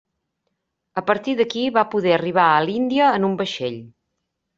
A partir d'aquí va poder arribar a l'Índia en un vaixell.